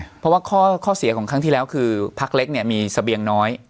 เพราะว่าข้อเสียของครั้งที่แล้วคือพักเล็กเนี่ยมีเสบียงน้อย